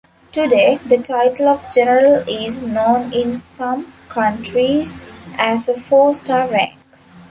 Today, the title of "General" is known in some countries as a four-star rank.